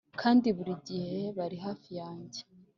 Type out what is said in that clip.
kandi buri gihe bari hafi yanjye